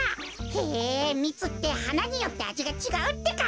へえミツってはなによってあじがちがうってか。